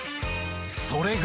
それが］